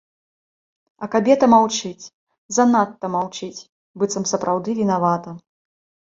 А кабета маўчыць, занадта маўчыць, быццам сапраўды вінавата.